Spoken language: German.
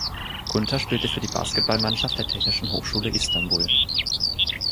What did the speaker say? Kunter spielte für die Basketballmannschaft der Technischen Hochschule Istanbul.